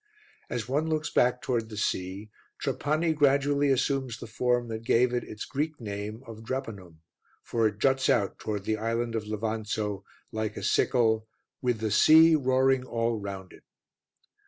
As one looks back towards the sea, Trapani gradually assumes the form that gave it its Greek name of Drepanum, for it juts out towards the island of Levanzo like a sickle "with the sea roaring all round it."